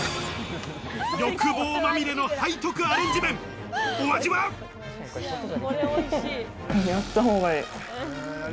欲望まみれの背徳アレンジでやったほうがいい。